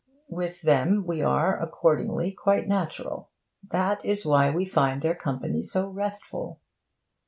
With them we are, accordingly, quite natural. That is why we find their company so restful.